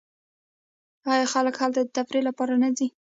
آیا خلک هلته د تفریح لپاره نه ځي؟